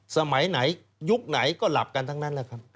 สมัยไหนยุคไหนก็หลับกันทั้งนั้นแหละครับ